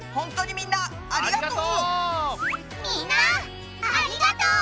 みんなありがとう！